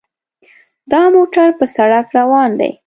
دا موټر په سړک روان دی.